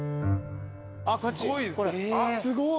すごい。